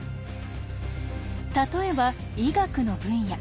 例えば医学の分野。